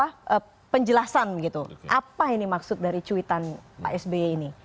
apa penjelasan gitu apa ini maksud dari cuitan pak sby ini